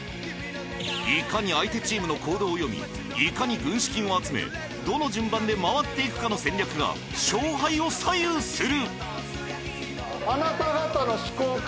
いかに相手チームの行動を読みいかに軍資金を集めどの順番で回っていくかの戦略が勝敗を左右する！